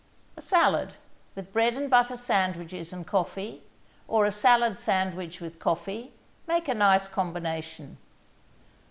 A salad, with bread and butter sandwiches and coffee, or a salad sandwich with coffee, make a nice combination.